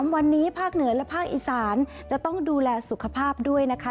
วันนี้ภาคเหนือและภาคอีสานจะต้องดูแลสุขภาพด้วยนะคะ